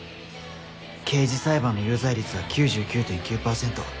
刑事裁判の有罪率は９９．９％。